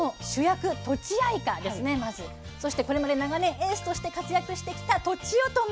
そしてこれまで長年エースとして活躍してきたとちおとめ。